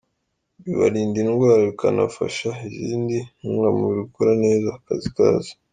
Bibarinda indwara, bikanafasha izindi ntungamubiri gukora neza akazi kazo.